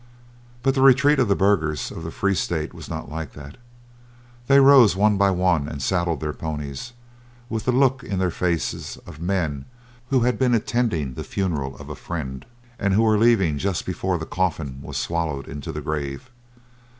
But the retreat of the burghers of the Free State was not like that. They rose one by one and saddled their ponies, with the look in their faces of men who had been attending the funeral of a friend and who were leaving just before the coffin was swallowed in the grave.